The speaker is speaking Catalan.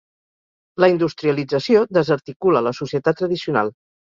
La industrialització desarticula la societat tradicional.